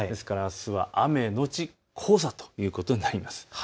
ですから、あすは雨のち黄砂ということになります。